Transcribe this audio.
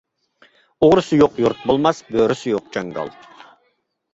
ئوغرىسى يوق يۇرت بولماس، بۆرىسى يوق جاڭگال.